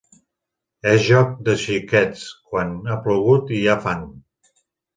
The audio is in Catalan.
És joc de xiquets quan ha plogut i hi ha fang.